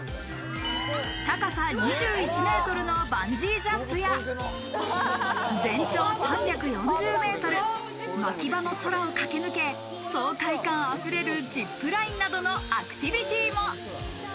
高さ２１ｍのバンジージャンプや、全長３４０ｍ、牧場の空を駆け抜け、爽快感溢れるジップラインなどのアクティビティも。